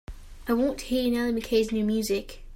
I want to hear Nellie Mckay's new music.